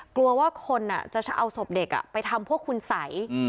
กลัวว่าคนอ่ะจะเอาศพเด็กอ่ะไปทำพวกคุณสัยอืม